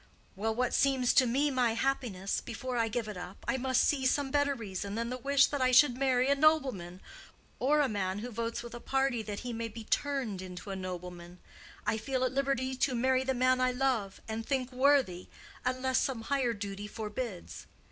"Well, what seems to me my happiness—before I give it up, I must see some better reason than the wish that I should marry a nobleman, or a man who votes with a party that he may be turned into a nobleman. I feel at liberty to marry the man I love and think worthy, unless some higher duty forbids."